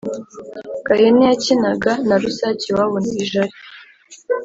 Gahene yakinaga na Rusake iwabo i Jali.